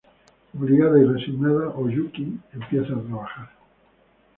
Obligada y resignada, Oyuki empieza a trabajar.